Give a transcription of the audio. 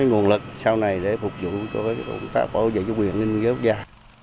các nguồn lực sau này để phục vụ các quốc gia